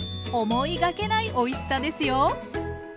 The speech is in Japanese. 思いがけないおいしさですよ。